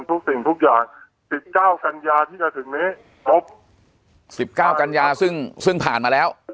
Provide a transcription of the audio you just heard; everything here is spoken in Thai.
ทุกสิ่งทุกอย่าง๑๙กันยาที่จะถึงนี้ครบ๑๙กันยาซึ่งผ่านมาแล้ว